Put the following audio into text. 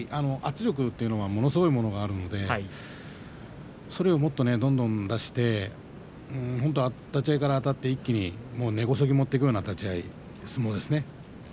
圧力はものすごいものがあるので、それをもっとどんどん出して立ち合いからあたって一気に根こそぎ持っていくような立ち合い、相撲ですね。